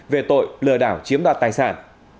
về tội lừa đảo chiếm đoạt tài sản